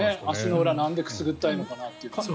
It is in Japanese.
足の裏なんでくすぐったいのかなって。